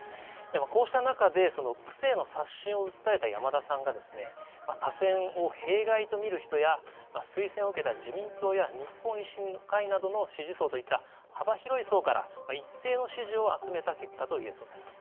こうした中で、区政への刷新を訴えた山田さんが、多選を弊害と見る人や、推薦を受けた自民党や日本維新の会などの支持層といった幅広い層から一定の支持を集めた結果と言えそうです。